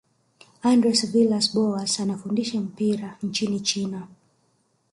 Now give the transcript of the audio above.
andres villas boas anafundisha mpira nchini china